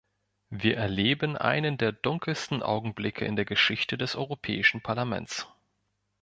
Wir erleben einen der dunkelsten Augenblicke in der Geschichte des Europäischen Parlaments.